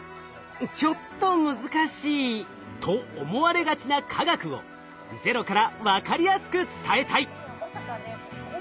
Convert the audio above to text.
「ちょっと難しい」と思われがちな科学をゼロから分かりやすく伝えたい。